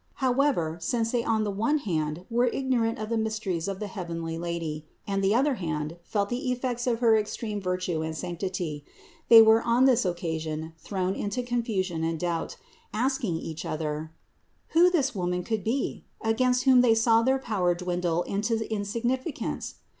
However, since they on the one hand were igno rant of the mysteries of the heavenly Lady and other hand felt the effects of her extreme virtue and sanctity, they were on this occasion thrown into confusion and doubt, asking each other : who this Woman could be, against whom they saw their power dwindle into insig nificance?